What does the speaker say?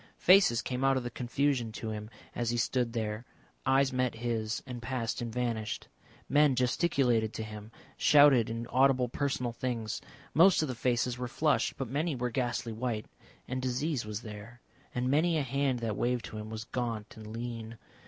Faces came out of the confusion to him as he stood there, eyes met his and passed and vanished. Men gesticulated to him, shouted inaudible personal things. Most of the faces were flushed, but many were ghastly white. And disease was there, and many a hand that waved to him was gaunt and lean.